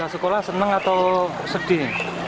senang atau sedih